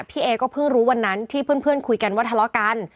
เอก็เพิ่งรู้วันนั้นที่เพื่อนคุยกันว่าทะเลาะกัน